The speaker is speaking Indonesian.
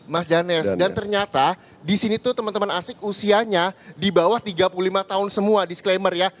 mas dhanes dan ternyata disini tuh temen temen asik usianya dibawah tiga puluh lima tahun semua disclaimer ya